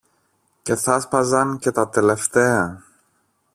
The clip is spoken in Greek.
και θα 'σπαζαν και τα τελευταία